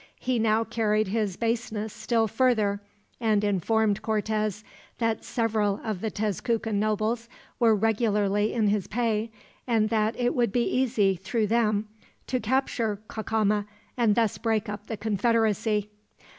He now carried his baseness still further, and informed Cortez that several of the Tezcucan nobles were regularly in his pay, and that it would be easy, through them, to capture Cacama and thus break up the confederacy.